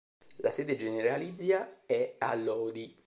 La sede generalizia è a Lodi.